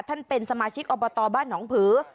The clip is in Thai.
ท่านเป็นสมาชิกอบตบ้านหนองผือ